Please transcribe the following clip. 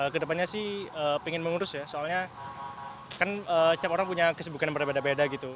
kedepannya sih pengen mengurus ya soalnya kan setiap orang punya kesibukan yang berbeda beda gitu